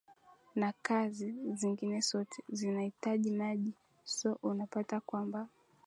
na kazi zingine sote zinaitaji maji so unapata kwamba